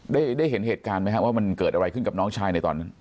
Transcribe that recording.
ได้เห็นเหตุการณ์ไหมครับว่ามันเกิดอะไรขึ้นกับน้องชายในตอนนั้น